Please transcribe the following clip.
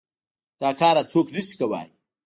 دا کار هر سوک نشي کواى.